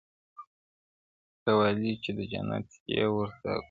• قوالې چي د جنت یې ورکولې -